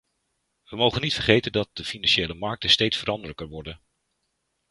We mogen niet vergeten dat de financiële markten steeds veranderlijker worden.